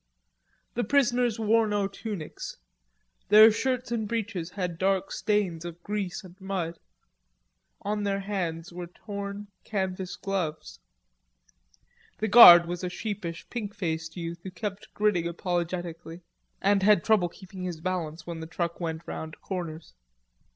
The prisoners wore no tunics; their shirts and breeches had dark stains of grease and dirt; on their hands were torn canvas gloves. The guard was a sheepish, pink faced youth, who kept grinning apologetically, and had trouble keeping his balance when the truck went round corners.